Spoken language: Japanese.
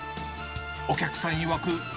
お客さんいわく。